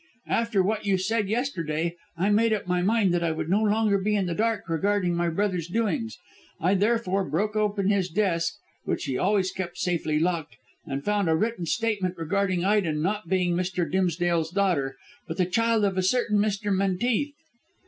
After what you said yesterday, I made up my mind that I would no longer be in the dark regarding my brother's doings. I therefore broke open his desk, which he always kept safely locked, and found a written statement regarding Ida not being Mr. Dimsdale's daughter, but the child of a certain Mr. Menteith."